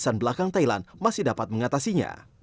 dan belakang thailand masih dapat mengatasinya